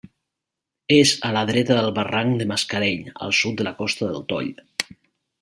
És a la dreta del barranc de Mascarell, al sud de la Costa del Toll.